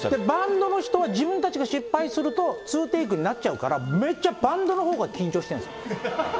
バンドの人、自分たちが失敗すると、ツーテイクになっちゃうから、めっちゃ、バンドのほうが緊張してるんです。